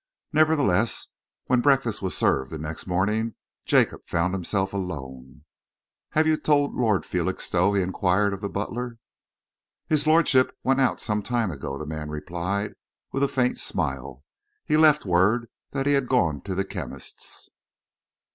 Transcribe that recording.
Nevertheless, when breakfast was served the next morning, Jacob found himself alone. "Have you told Lord Felixstowe?" he enquired of the butler. "His lordship went out some time ago, sir," the man replied, with a faint smile. "He left word that he had gone to the chemist's."